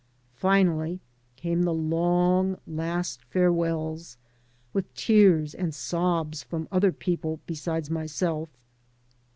Finally came the long last farewells, with tears and sobs from other people besides myself.